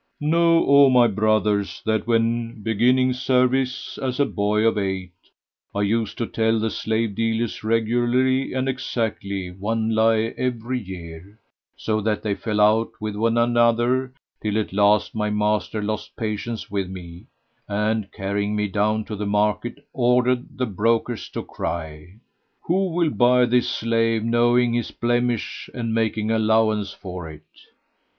Know, O my brothers that, when beginning service as a boy of eight, I used to tell the slave dealers regularly and exactly one lie every year, so that they fell out with one another, till at last my master lost patience with me and, carrying me down to the market, ordered the brokers to cry, "Who will buy this slave, knowing his blemish and making allowance for it?"